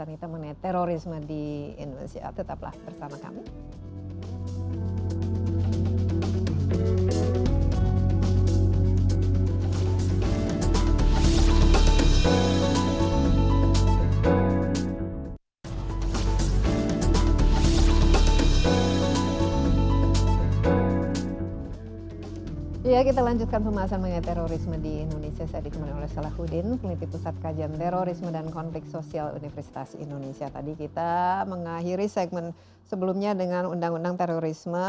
kita masih akan lanjutkan pembahasan kita mengenai terorisme